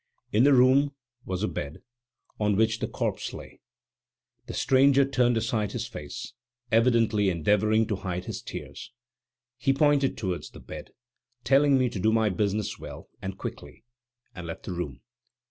In this room was a bed, on which the corpse lay. The stranger turned aside his face, evidently endeavoring to hide his tears. He pointed towards the bed, telling me to do my business well and quickly, and left the room.